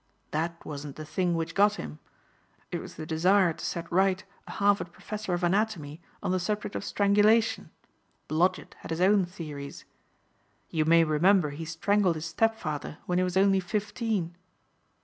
"That wasn't the thing which got him. It was the desire to set right a Harvard professor of anatomy on the subject of strangulation. Blodgett had his own theories. You may remember he strangled his stepfather when he was only fifteen."